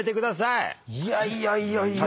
いやいやいやいや。